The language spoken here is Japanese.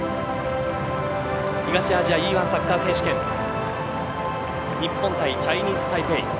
東アジアＥ‐１サッカー選手権日本対チャイニーズタイペイ